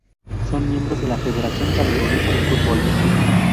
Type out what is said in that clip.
Son miembros de la Federación Camerunesa de Fútbol.